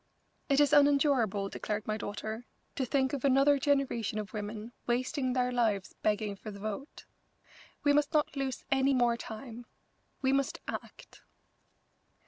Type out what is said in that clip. "It is unendurable," declared my daughter, "to think of another generation of women wasting their lives begging for the vote. We must not lose any more time. We must act."